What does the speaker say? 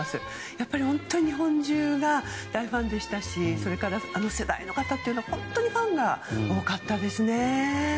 やっぱり本当に日本中が大ファンでしたしそれからあの世代の方は本当にファンが多かったですね。